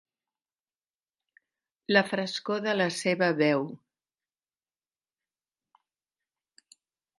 La frescor de la seva veu.